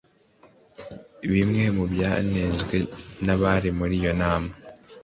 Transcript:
Bimwe mu byanenzwe n’abari muri iyo nama